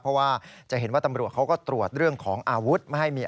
เพราะว่าจะเห็นว่าตำรวจเขาก็ตรวจเรื่องของอาวุธไม่ให้มี